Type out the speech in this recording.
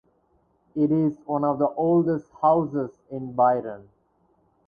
It is one of the oldest houses in Byron.